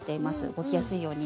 動きやすいように。